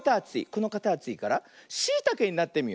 このかたちからシイタケになってみよう。